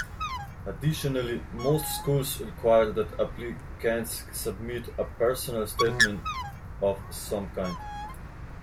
Additionally, most schools require that applicants submit a "personal statement" of some kind.